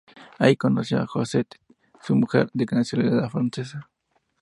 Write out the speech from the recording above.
Allí conoció a Josette, su mujer, de nacionalidad francesa.